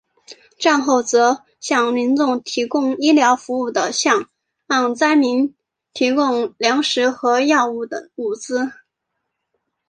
战后则向民众提供医疗服务和向灾民提供粮食和药物等物资。